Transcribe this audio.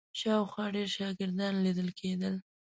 شاوخوا ډېر شاګردان لیدل کېدل.